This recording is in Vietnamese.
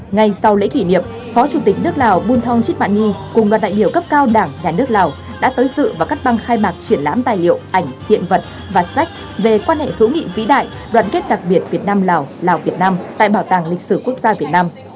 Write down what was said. ngay sau lễ kỷ niệm phó chủ tịch nước lào bun thong chích mạn nhi cùng đoàn đại biểu cấp cao đảng nhà nước lào đã tới dự và cắt băng khai mạc triển lãm tài liệu ảnh hiện vật và sách về quan hệ hữu nghị vĩ đại đoàn kết đặc biệt việt nam lào lào việt nam tại bảo tàng lịch sử quốc gia việt nam